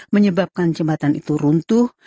menyebabkan jembatan itu runtuh